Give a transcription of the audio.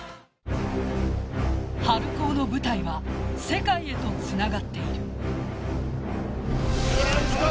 春高の舞台は世界へとつながっている。